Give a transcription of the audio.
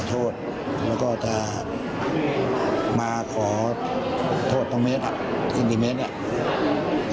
แต่อยากให้มาขอโทษเข้าหน่อย